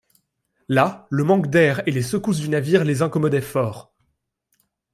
Là, le manque d’air et les secousses du navire les incommodaient fort.